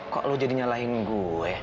kok lo jadi nyalahin gue